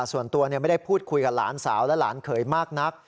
ส่วนตัวไม่ได้พูดคุยกับหลานสาวและหลานเขยมากนัก